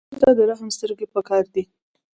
سوالګر ته د رحم سترګې پکار دي